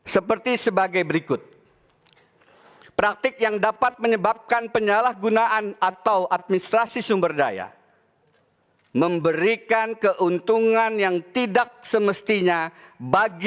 seperti sebagai berikut praktik yang dapat menyebabkan penyalahgunaan atau administrasi sumber daya memberikan keuntungan yang tidak semestinya bagi